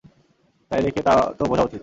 তাই দেখে তো বোঝা উচিত।